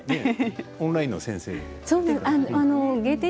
オンラインの先生ですね。